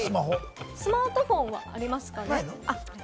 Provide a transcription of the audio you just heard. スマートフォンありますかね。